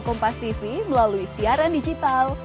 kompastv melalui siaran digital